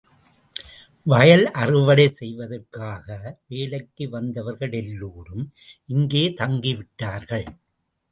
வயல் அறுவடை செய்வதற்காக வேலைக்கு வந்தவர்கள் எல்லோரும், இங்கே தங்கிவிட்டார்கள்.